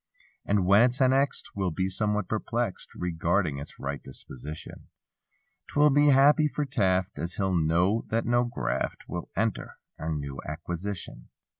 And when it's annexed. We'll be somewhat perplexed Regarding its right disposition; 'Twill be happy for Taft As he'll know that no graft Will enter our new acquisition.